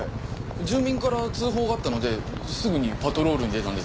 住民から通報があったのですぐにパトロールに出たんです。